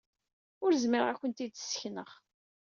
Ur zmireɣ ad kent-t-id-ssekneɣ.